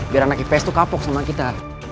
biar anak ips itu kapok sama kita